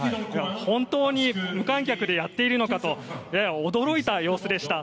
本当に無観客でやっているのかとやや驚いた様子でした。